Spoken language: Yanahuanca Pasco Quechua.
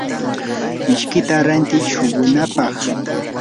mishkita rantiiy shuqunapaq.